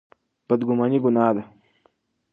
بدګماني ګناه ده.